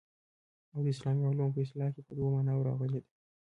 او د اسلامي علومو په اصطلاح کي په دوو معناوو راغلې ده.